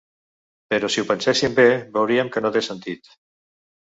Però si ho pensessin bé, veurien que no té sentit.